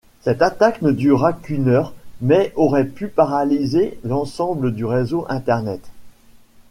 Cette attaque ne durera qu'une heure mais aurait pu paralyser l'ensemble du réseau Internet.